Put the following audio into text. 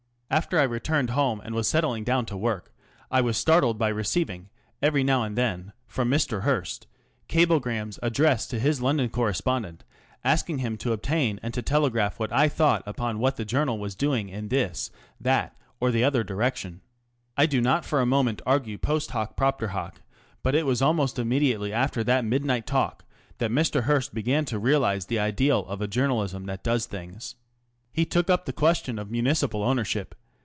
After I returned home and was settling down to work I was startled by receiving every now and then from Mr. Hearst cablegrams addressed to his London correspondent asking him to obtain and to telegraph what I thought upon what the Journal was doing in this, that, or the other direction. I do not for a moment argue post hoc pj iptcr hoc, but it New York American.} Shall the People Rule? 334 The Review of Reviews. was almost immediately after that midnight talk that Mr. Hearst began to realise the ideal of a journalism that does things. He took up the question of municipal ownership.